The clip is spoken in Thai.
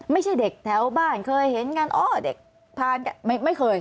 ไม่ใช่เด็กแถวบ้านเคยเห็นกันอ๋อเด็กทานไม่เคย